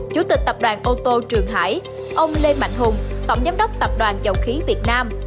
chủ tịch tập đoàn ô tô trường hải ông lê mạnh hùng tổng giám đốc tập đoàn dầu khí việt nam